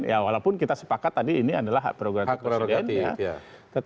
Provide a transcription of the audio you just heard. ya walaupun kita sepakat tadi ini adalah hak prerogatif presidennya